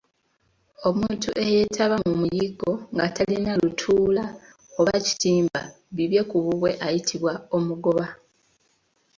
Omuntu eyeetaba mu muyiggo nga talina lutuula oba kitimba bibye ku bubwe ayitibwa omugoba.